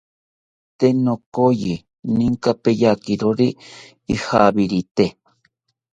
Tee niyotzi ninka peyakirori ijawirite